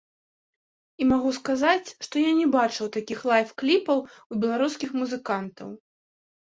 І магу сказаць, што я не бачыў такіх лайф-кліпаў у беларускіх музыкантаў.